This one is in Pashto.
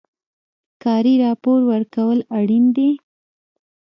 کاري راپور ورکول اړین دي